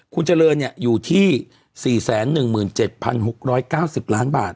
คุณเจริญอยู่ที่๔๑๗๖๙๐ล้านบาท